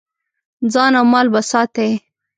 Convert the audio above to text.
ځان او مال به ساتې.